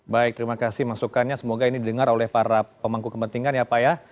baik terima kasih masukannya semoga ini didengar oleh para pemangku kepentingan ya pak ya